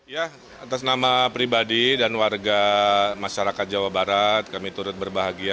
ya atas nama pribadi dan warga masyarakat jawa barat kami turut berbahagia